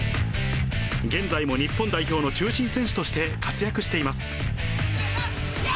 現在も日本代表の中心選手として活躍しています。